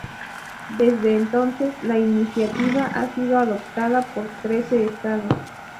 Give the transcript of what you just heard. Desde entonces, la iniciativa ha sido adoptada por trece estados.